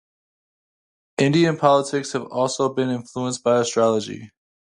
Indian politics have also been influenced by astrology.